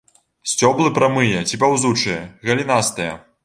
Сцёблы прамыя ці паўзучыя, галінастыя.